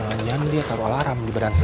malah dia taruh alarm di badan saya